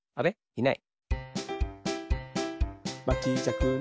いない。